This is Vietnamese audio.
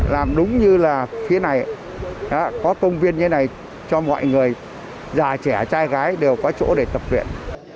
làm đúng như là phía này có công viên như thế này cho mọi người già trẻ trai gái đều có chỗ để tập luyện